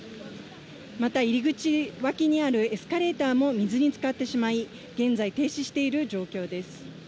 また、入り口脇にあるエスカレーターも水につかってしまい、現在、停止している状況です。